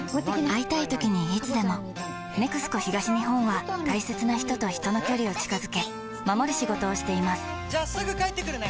会いたいときにいつでも「ＮＥＸＣＯ東日本」は大切な人と人の距離を近づけ守る仕事をしていますじゃあすぐ帰ってくるね！